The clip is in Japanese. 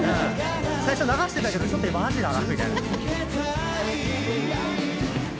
最初流してたけどちょっとマジだなみたいな。